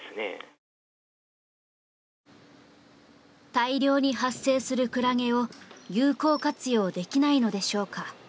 大量に発生するクラゲを有効活用できないのでしょうか。